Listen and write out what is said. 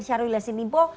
syarwi lesin mimpo